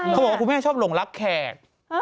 เขาบอกว่าคุณแม่ชอบหลงรักแขก